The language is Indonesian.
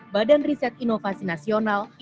badan riset inovasi nasional